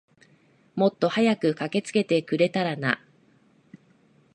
もっと早く駆けつけてくれたらな。